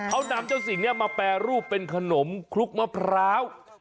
เขานำเจ้าสิ่งนี้มาแปรรูปเป็นขนมคลุกมะพร้าว